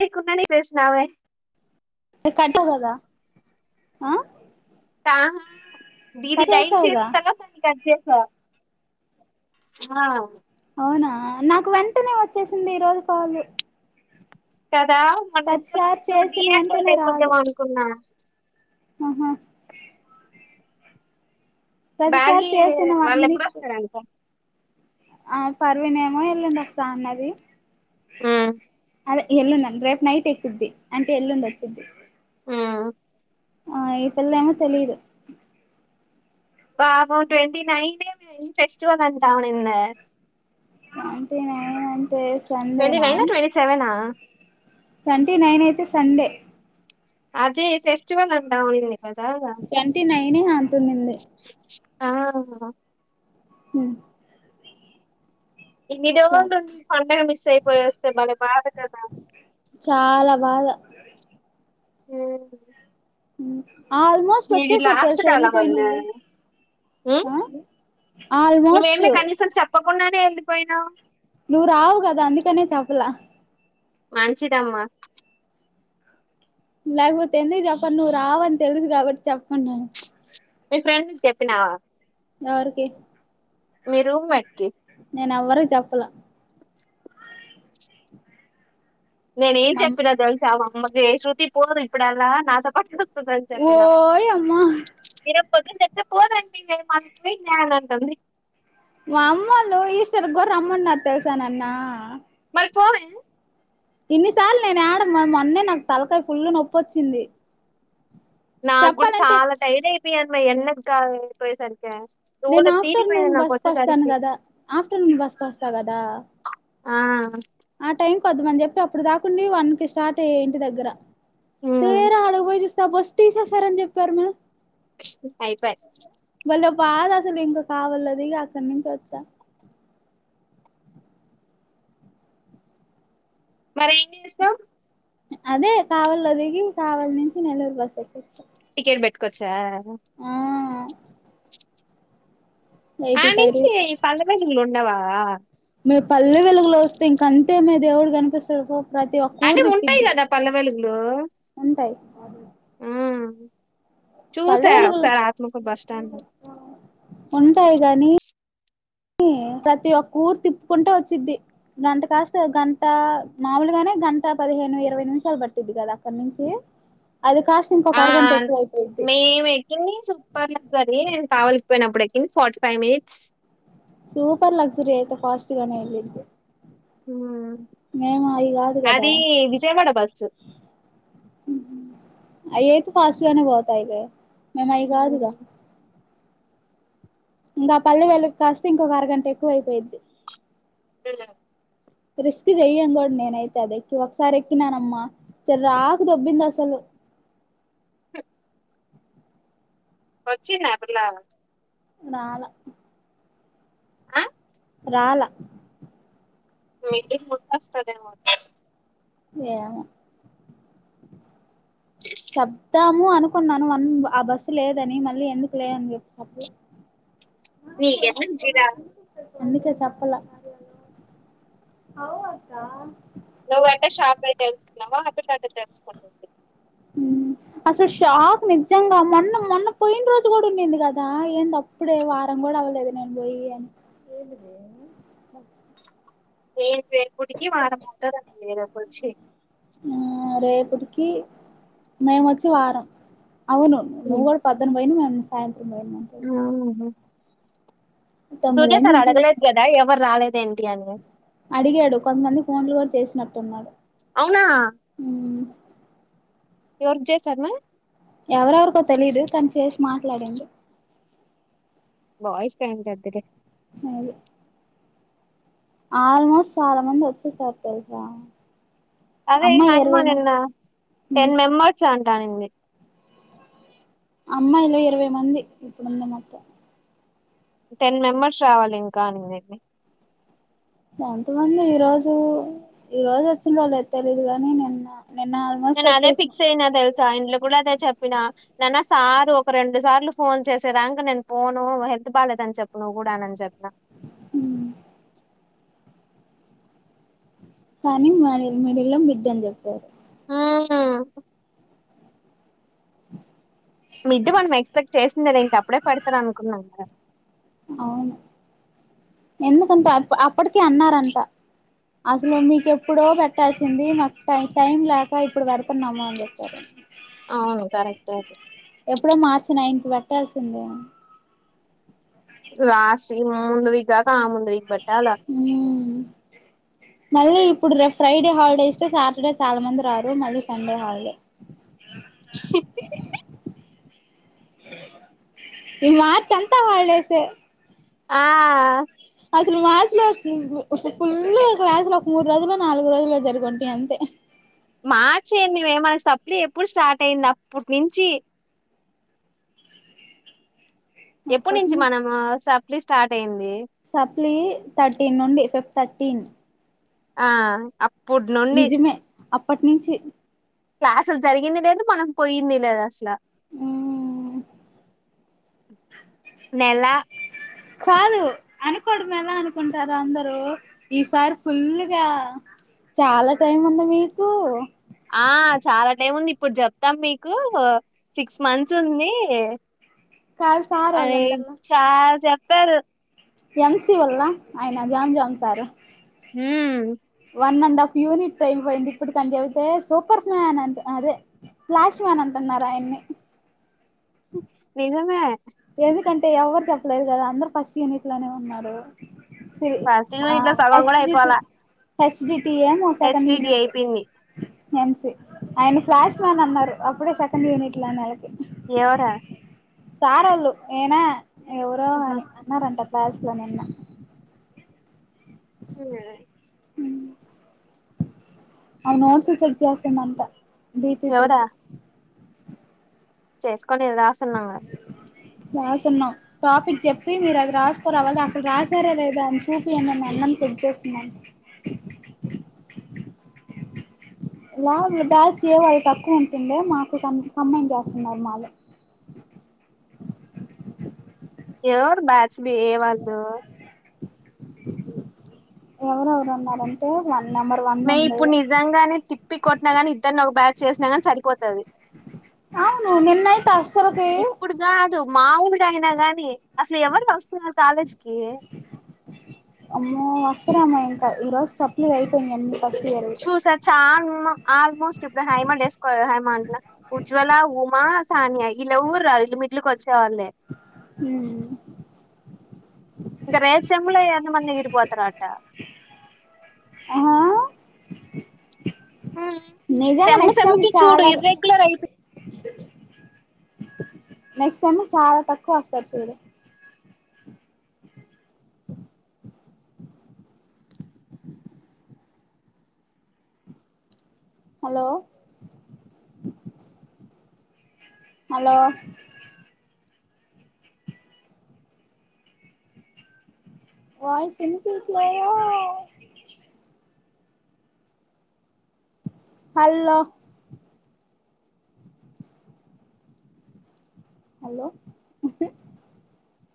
మీకున్నది వేసినవే కట్టవు కదా ఆ తా దీదిీ కట్ డయల్ చేసావుగా చేస్తున్న [unintelligible] ఆ అవునా నాకు వెంటనే వచ్చేసింది ఈ రోజు కాలు కదా మొన ఇంత డి చేసిన యాక్టివేట్ వెంటనే రాదు అయిపోతామ అనుకున్నా ఆహా ప్రతిసారి బ్యాగి చేసిన వన్ వాళ్ళు మినిట్ ఎప్పుడొస్తారంట ఆ పర్వినేమో ఎల్లుండి వస్తా అన్నది హ్మ్ ఎల్లుండండి రేపు నైట్ ఎక్కుద్ది అంటే ఎల్లుండి వచ్చిద్ది హ్మ్ ఆ ఈపిల్ల ఏమో తెలిదు పాపం ట్వంటీనైన్ ఫెస్టివల్ అంటాఉండింది అ అంతే అంతే సండే ట్వంటీ నా నైనా ట్వంటీ సెవెనా ట్వంటీ నైన్ అయితే సండే అదే ఫెస్టివల్ అంటా పోయింది ట్వంటీ నైనే అతుందింది ఆ హు ఇన్ని రోజులుండి పండుగ మిస్ అయిపోయోస్తే భలే బాధ కదా చాలా బాధ ఎ ఆల్మోస్ట్ వచ్చేసారు తెలుసా కాదా వెళ్ళిపోయినోళ్ళు మన్నా ఆ ఆల్మోస్ట్ నువ్వేమి కనీసం చెప్పకుండానే వెళ్ళిపోయినావు నువ్వు రావు కదా అందుకనే చెప్పలా మంచిదమ్మా లేకపోతే ఎందుకు చెప్పను నువ్వు రావని తెలుసు కాబట్టి చెప్పకుండా మీ ఫ్రెండ్ కి చెప్పినావా ఎవరికి మీ రూమ్మేట్ కి వరకి చెప్పలా నేను ఏం మా అమ్ చెప్పినా తెలుసా మాఅమ్మకి శ్రుతి పోదు ఇప్పుడెల్లా నాతో పాటు ఉంటదని చెప్పినా ఓయమ్మా [unintelligible] నంటంది వామ్మో నువ్వు ఈష్టర్ కి కూడా రమ్మన్నారు తెల్సా నన్ను మళ్ళీ పోవే ఇన్నిసార్లు నేను ఏడమ్మ మొన్నే నాకు తలకాయ ఫుల్లు నొప్పోచ్చింది నాకు కూడా చాలా టైడ్ అయిపోయాను మ్మాయ్ ఎన్న కఅయిపోయేసరి నేను ఆఫ్టర్నూన్ బస్సుకు వస్తాను వచ్చేసరికి కదా ఆఫ్టర్నూన్ బస్కు వస్తా కదా ఆ ఆ టైం కొద్దామని చెప్పి అప్పుడు దాకుండి వన్ కి స్టార్ట్ అయ్యా ఇంటి దగ్గర తీరా హ్మ్ ఆడకు పోయి చూస్తే ఆ బస్ తీసేసారని చెప్పారు మా అయిపో భలే బాధ అసలు ఇంకా కావలిలో దిగి ఇక అక్కడి నుంచి వచ్చా మరి ఏం చేసినవ్ అదే కావల్లో దిగి కావల నుంచి నెల్లూరు బస్ ఎక్కి వచ్చా టిఫిన్ పెట్టుకొచ్ఛా ఆ ఎయిటీ ఆడి ఫైవ్ రూ నుంచి ఈ పల్లె వెలుగులు ఉండవా మీ పల్లె వెలుగులో వస్తే ఇంక అంతేనే దేవుడు కనిపిస్తడు పో ప్రతి ఒక్క ఊరు అంటే ఉంటాయి తిప్పిద్ది కదా పల్లె వెలుగులు ఉంటాయి ఆ పల్లె చూసా వెలుగులు ఒకసారి ఆత్మకూర్ బస్ స్టాండ్ లో ఏ ప్రతి ఒక్క ఊరు తిప్పుకుంటా వచ్చిద్ది గంట కాస్తే గంట మామూలుగానే గంట పదిహేను హేను ఇరవై నిమిషాలు పట్టిది కదా అక్కడ నుంచి అది కాస్త ఇంకొక ఆ అరగంట ఎక్కువ అయిపోయిద్ది మేము ఎక్కింది సూపర్ లకారి నేను కావలసిపోయినప్పుడు ఎక్ in forty five minutes super luxury అయితే ఫస్ట్ గానే ఎల్లుది హ కదా అది విజయవాడ బస్సు ఏతే ఫాస్ట్గానే బతాయి మేము అయి కాదుగా ఇంకా పల్లె వేళ్ళకి కాస్తే ఇంకొక అరగంట ఎక్కువ అయిపోయిద్ది లే రిస్క్ చెయ్యం కూడా నేనైతే అది ఎక్కి ఒకసారి ఎక్కినానమ్మా సర రాకు దోబ్బింది అసలు చె వచ్చిందా ఆ పిల్లా నాల ఆ రాల మీిలి ముట్టస్తద మ ఏమో చెప్ధము అను కున్నాను వన్ ఆ బస్సు లేదని మళ్ళీ ఎందుకు లేని చెప్పి చెప్లే జీర ఎందుకా చెప్పలా అవు అక్క నువ్వ అంటే షాప్ అ తెలుసుకున్నావు హపీ టర్ తెలుసుకుందండి ఉ అసలు షాక్ నిజంగా మొన్న మొన్న పోయిన రోజు కూడా ఉండంది కదా ఏంది అప్పుడే వారం కూడా [unintelligible] ఏ రేపుటికి వారం అంటారంం లేరుపచ్చి ఆ రేపటికి మేమోచ్చి వారం అవును నువ్వు కూడ [unintelligible] మేము సా ఆ సూర్య తొమ్మిదయింది సార్ ఇంటికి అడగలేేద్ కదా ఎవరు రాలే అడిగాడు కొంతమంది ఫోన్లు కూడా చేసినట్టున్నాడు అవునా ఎవర్ చేసార్ మే ఎవరెవరికో తెలిదు కానీ చేసి మాట్లాడు బాయిస్ [unintelligible] హు ఆల్మోస్ట్ చాలా మంది వచ్చే సార్ తెలుస అదే అమో నిన్న టెన్ మెంబర్స్ అంటనినింది అమ్మాలో ఇరవై మంది ఇప్పుడుంది మోత్తం టెన్ మెంబర్స్ రావాలి ఇంకా అనింది ఎంతమంది ఈ రోజు ఈ రోజు వచ్చిన వాళ్ళు తెలిదు గాని నిన్న నిన్న ఆల్మోస్ట్ నేను అదే వచ్చేసిన ఫిక్స్ [unintelligible] ఇంట్లో కూడా అదే చెప్పినా నన్న సారు ఒక రెండు సార్లు ఫోన్ చేసరాాక నేను ఫోను ట్ బాలలేదని చెప్ప నువ్వు కూడా అని చెప్పినవు హు కానీ మడి మిడిల్లో బిడ్డ అని చెప్పారు ఆ మీడ్ మనం ఎక్స్పెక్ట్ చేసింది కదా ఇంక అప్పుడే పెడతార అనుకుంటన్నాం మదా అవును ఎందుకంటే అప్పటికే అన్నారంట అసలు మీకుెప్పుడో పెట్టాల్సింది మాకు టై టైం లేక ఇప్పుడు పెడుతున్నాము అని చెప్పారు అవును కరెక్ట్ అది ఎప్పుడో మార్చి నైన్ పెట్టాల్సిందే లాస్ట్ ఈ ముందు వీక్ కాక ఆ ముందు వీక్ పెట్టాలా మళ్ళీ ఇప్పుడు రేపు ఫ్రైడే హాలిడే ఇస్తే సాటర్డే చాలా మంది రారు మళ్ళీ సండే హాలిడే ఆ ఈ మార్చ్ అంతా హాలిడేస్ ఆ అసలు మాసులో ఫుల్ క్లాసులు ఒక మూడు రోజులు నాలుగు రోజుల్లో జరుగుంటాయి అంతే మార్చ మేమన సప్లి ఎప్పుడు స్టార్ట్ అయింది అప్పటి నుంచి ఎప్పుటి అప్పటి నుంచి మనము సప్లి స్టార్ట్ అయింది సప్లి థర్టీన్ నుండి ఫిఫ్ థర్టీన్ ఆ అప్పుడు నుండి నిజమే అప్పటి నుంచి క్లాసుల్ జరిగింది లేదు మనం పోయింది లేదు అస్సలా మ్మ్ నెలా కాదు అనుకోడం ఎలా అనుకుంటార అందరూ ఈసారి ఫుల్గా చాల టైం ఉంది మీకు ఆ చాలా టైం ఉంది ఇప్పుడు చెప్తాం మీకు సిక్స్ మంత్స్ ఉంది కాదు సార్ ఐ చాల్ చెప్పారు ఎంసీ ఓల ఆయన John John sir um one and half unit అయిపొయింది ఇప్పుడు తను చెబితే సూపర్ ఫ్యాన్ అంత ఆ అదే ఫ్లాష్మాన్ అంటున్నారాయణ్ని నిజమే ఎందుకంటే ఎవ్వర్ చెప్పలేదు కదా అందరు ఫస్ట్ యూనిట్ లోనే ఉన్నారు సి ఫస్ట్ ఆ యూనిట్ లో సగం హెచ్ కూడా డీటి అయిపోవాల హెచ్ పి ఏమో సెకండ్ హెచ్డిడి యూనిట్ అయిపోయింది ఎంసి ఆయన ఫ్లాష్ మ్యాన్ అన్నారు అప్పుడే సెకండ్ యూనిట్లు అన్నారు ఎవరా సారోళ్ళు ఏనా ఎవరో ఆహా అని అన్నారంట సార్స్ లో నిన్న [unintelligible] ఆమె నోడ్స్ చెక్ చేస్తుందంట బి పి టి ఎవరా చేసుకొని రాస్తున్నాం గద రాసున్నాం టాపిక్ జెప్పి మీరు అది రాసుకోరావళ్ళ అసలు రాసారా లేదా అని చూపి అన్నను నన్ను చెక్ చేస్తున్నాను లావు బ్యాచ్ యో వాళ్ళు తక్కువ ఉంటుండే మాకు క కమైండ్ చేస్తున్నారు మాళు ఎవరు బ్యాచ్ బి ఏ వాళ్ళు ఎవరెవరు అన్నారు అంటే ఇగ మే ఇప్పుడు నిజంగానే తిప్పి కొట్టినా గాని ఇద్దరిని ఒక బ్యాచ్ చేసినా గని సరిపోతది అవును నిన్న అయితే అసలుకి మా ఊరైన గానీ అసలు ఎవరు వస్తున్నారు కాలేజ్ కి అమ్మో వస్తారేమో ఇంకా ఈ రోజు సప్లై అయిపోయింది చూసా చాల్ ఆల్మోస్ట్ ఇప్పుడు హైమండేసుకోవ హైమండ్ల ఉజ్వల ఉమా సానియా ఈళ్ళెవ్వరు రారు ఇ మిట్లు కొద్ చ్చేవాళ్ళే ఇంక రేపుసెమ్ములే ఎంత మంది ఎగిరిపోతరట ఆహా ఊ నిజంగా సెమ్ము నెక్స్ట్ టైం సెమ్ముకి చూడు చాలా ఇర్రెగ్యులర్ అయిపొ నెక్స్ట్ సెమ్ చాల తక్కువ వస్తారు చూడు హలో హలో వాయిస్ ఇనిపియిట్లేదో హల్లో హలో ఉహు